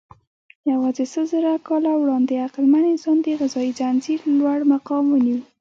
یواځې سلزره کاله وړاندې عقلمن انسان د غذایي ځنځير لوړ مقام ونیو.